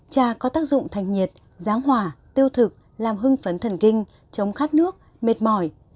trà có tác dụng thành nhiệt giáng hỏa tiêu thực làm hưng phấn thần kinh chống khát nước mệt mỏi